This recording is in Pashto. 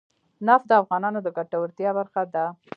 نفت د افغانانو د ګټورتیا برخه ده.